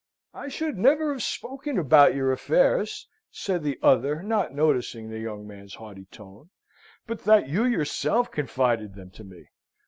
"I should never have spoken about your affairs," said the other, not noticing the young man's haughty tone, "but that you yourself confided them to me.